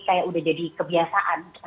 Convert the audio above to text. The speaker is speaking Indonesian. kayak udah jadi kebiasaan